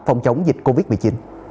phòng chống dịch covid một mươi chín